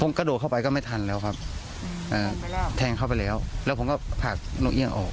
ผมกระโดดเข้าไปก็ไม่ทันแล้วครับแทงเข้าไปแล้วแล้วผมก็ผลักนกเอี่ยงออก